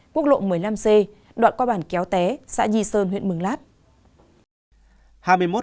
quốc lộ một mươi năm c đoạn qua bản kéo té xã nhi sơn huyện mường lát